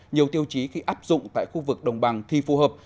nhiều tiêu chí khi áp dụng tại khu vực đồng bằng thì phù hợp